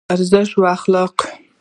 ارزښت او اخلاق